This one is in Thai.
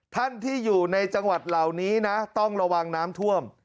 ท่านที่อยู่ในจังหวัดเหล่านี้นะต้องระวังน้ำท่วม